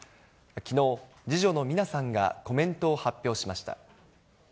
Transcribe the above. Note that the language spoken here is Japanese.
きのう、次女の三奈さんがコメントを発表しました。